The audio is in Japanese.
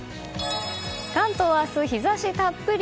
関東は明日、日差したっぷり。